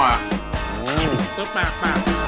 ชอบแปลก